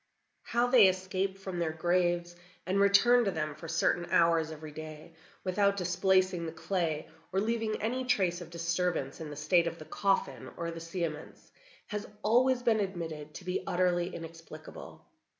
How they escape from their graves and return to them for certain hours every day, without displacing the clay or leaving any trace of disturbance in the state of the coffin or the cerements, has always been admitted to be utterly inexplicable.